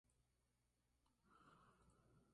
Todos los Premios se entregarán en Euros.